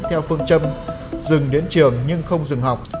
theo phương châm dừng đến trường nhưng không dừng học